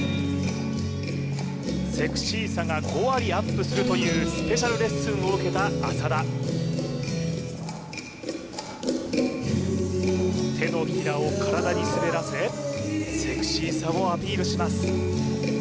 セクシーさが５割アップするというスペシャルレッスンを受けた浅田手のひらを体に滑らせセクシーさをアピールします